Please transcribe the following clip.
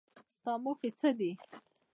ستا موخې څه دي ؟